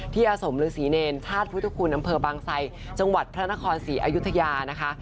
อาสมฤษีเนรธาตุพุทธคุณอำเภอบางไซจังหวัดพระนครศรีอยุธยานะคะ